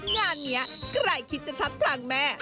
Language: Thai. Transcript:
งานนี้ใครคิดจะทับทางแม่